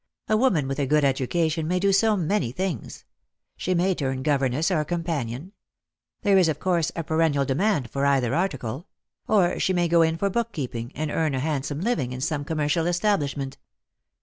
A woman with a good education may do so many things. She may turn governess or companion — there is of course a perennial demand for either article — or she may go in 74 jjost jor jjove. for book keeping, and earn a handsome living in some com mercial establishment.